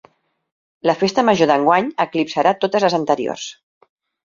La festa major d'enguany eclipsarà totes les anteriors.